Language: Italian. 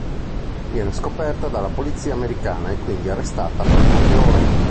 Viene scoperta dalla polizia americana e quindi arrestata per poche ore.